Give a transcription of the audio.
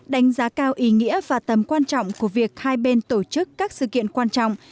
đánh giá cao ý nghĩa và tầm quan trọng của việc hai bên tổ chức các sự kiện quan trọng